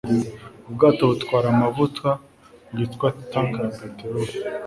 Ubwato butwara amavuta bwitwa tanker ya peteroli.